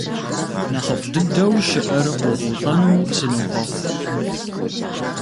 Нэхъыфӏ дыдэу щыӏэр къохъулӏэну сынохъуэхъу.